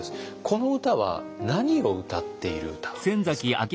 この歌は何をうたっている歌なんですか？